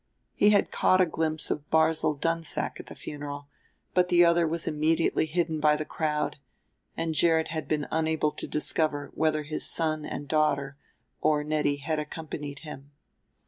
He had caught a glimpse of Barzil Dunsack at the funeral; but the other was immediately hidden by the crowd, and Gerrit had been unable to discover whether his son and daughter or Nettie had accompanied him.